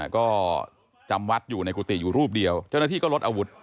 ก็จำวัดอยู่ในกุฏิอยู่รูปเดียวเจ้าหน้าที่ก็ลดอาวุธ